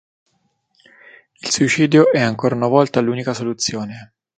Il suicidio è ancora una volta l'unica soluzione.